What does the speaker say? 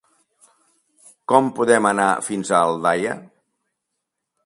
Com podem anar fins a Aldaia?